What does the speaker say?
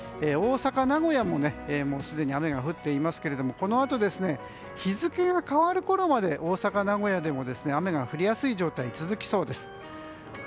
大阪、名古屋もすでに雨が降っていますがこのあと日付が変わるころまで大阪、名古屋でも雨が降りやすい状態が続きそうです。